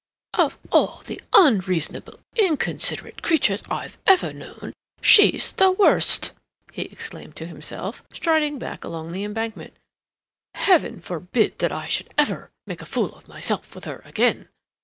"Of all the unreasonable, inconsiderate creatures I've ever known, she's the worst!" he exclaimed to himself, striding back along the Embankment. "Heaven forbid that I should ever make a fool of myself with her again.